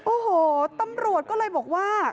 โอ้โหตำรวจก็เลยบอกว่า